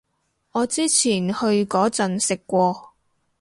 我之前去嗰陣食過